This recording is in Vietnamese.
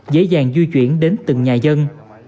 dễ dàng di chuyển đến từng nhà dân